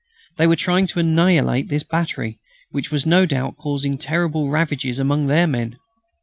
They were trying to annihilate this battery, which was no doubt causing terrible ravages among their men.